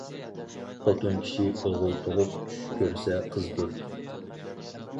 خوتۇن كىشى ئوغۇل تۇغۇپ چۈش كۆرسە قىزدۇر.